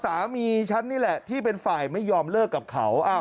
สามีฉันนี่แหละที่เป็นฝ่ายไม่ยอมเลิกกับเขา